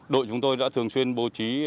đội chúng tôi đã thường xuyên bố trí